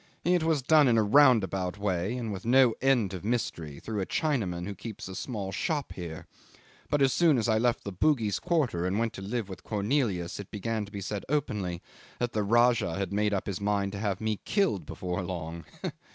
It was done in a roundabout way, and with no end of mystery, through a Chinaman who keeps a small shop here; but as soon as I left the Bugis quarter and went to live with Cornelius it began to be said openly that the Rajah had made up his mind to have me killed before long.